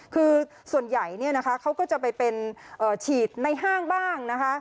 คือส่วนใหญ่เขาก็จะไปเป็นฉีดในห้างบ้างนะคะ